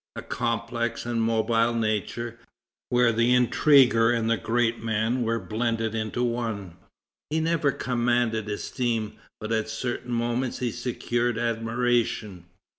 A complex and mobile nature, where the intriguer and the great man were blended into one, he never commanded esteem, but at certain moments he secured admiration.